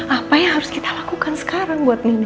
apa yang harus kita lakukan sekarang buat nenek